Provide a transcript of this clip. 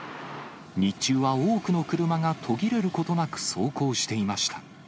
日中は多くの車が途切れることなく走行していました。